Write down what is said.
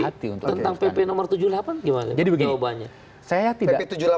tapi tentang pp tujuh puluh delapan gimana jawabannya